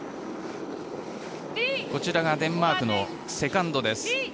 こちらがデンマークのセカンドです。